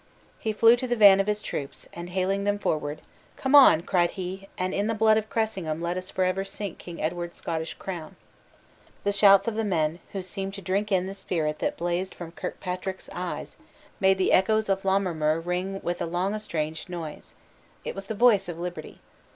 He flew to the van of his troops, and hailing them forward: "Come on!" cried he, "and in the blood of Cressingham let us forever sink King Edward's Scottish crown." The shouts of the men, who seemed to drink in the spirit that blazed from Kirkpatrick's eyes, made the echoes of Lammermuir ring with a long estranged noise. It was the voice of liberty.